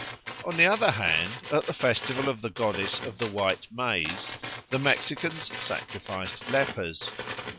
On the other hand, at the festival of the Goddess of the White Maize the Mexicans sacrificed lepers.